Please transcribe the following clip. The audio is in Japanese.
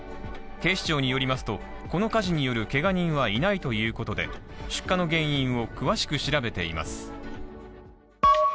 警視庁によりますと、この火事によるけが人はいないということで出火の原因を詳しく調べています。